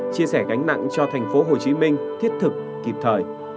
chia sẻ gánh nặng cho thành phố hồ chí minh thiết thực kịp thời